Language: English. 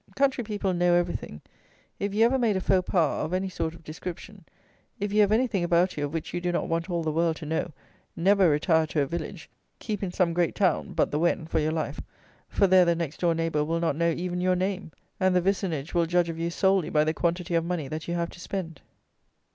Country people know everything. If you have ever made a faux pas, of any sort of description; if you have anything about you of which you do not want all the world to know, never retire to a village, keep in some great town; but the Wen, for your life, for there the next door neighbour will not know even your name; and the vicinage will judge of you solely by the quantity of money that you have to spend.